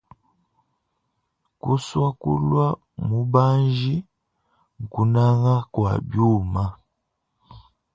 Kusua kulua mubanji, kunanga kua biuma.